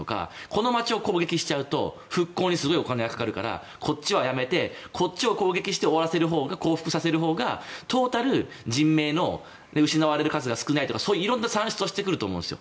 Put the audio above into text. この街を攻撃しちゃうと復興にお金がかかるからこっちをやめてこっちを攻撃して降伏させるほうが、トータル人命の失われる数が少ないとかそういう色んな算出をしてくると思うんです。